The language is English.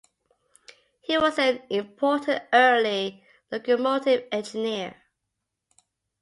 He was an important early locomotive engineer.